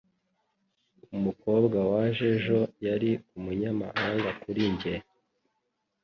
Umukobwa waje ejo yari umunyamahanga kuri njye.